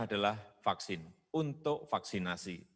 adalah vaksin untuk vaksinasi